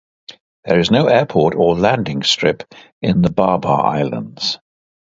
There is no airport or landing strip in the Babar Islands.